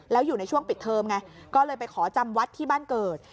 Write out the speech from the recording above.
แล้วอยู่ในช่วงปิดเทอมไงก็เลยไปขอจำวัดที่บ้านเกิด